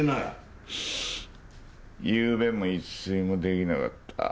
ゆうべも一睡も出来なかった。